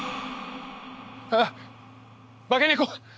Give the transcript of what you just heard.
あっ化け猫！